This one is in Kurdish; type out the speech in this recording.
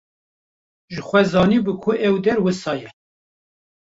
Jixwe zanibû ku ev der wisa ye.